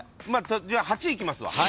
じゃあ８いきますわ。